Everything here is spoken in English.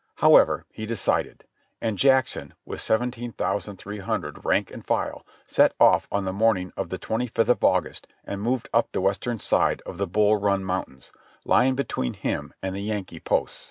However, he decided; and Jackson, with 17,300 rank and file, set off on the morning of the twenty fifth of August and moved up the western side of the Bull Run Mountains, lying between him and the Yankee posts.